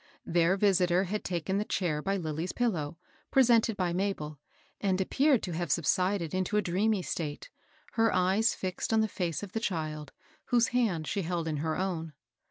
Their visitor had taken the chair by Lilly's pil low, presented by Mabel, and appeared to have subsided into a dreamy state, her eyes fixed on thei face of the child, whose hand she held in her own.